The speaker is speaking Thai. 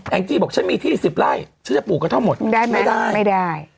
แองกี้บอกฉันมีที่สิบไร้ฉันจะปลูกกระท่อมหมดได้ไหมไม่ได้